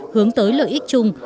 hướng tới lợi ích chung